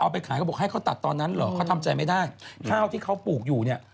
ไปขายเขาบอกให้เขาตัดตอนนั้นเหรอเขาทำใจไม่ได้ข้าวที่เขาปลูกอยู่เนี่ย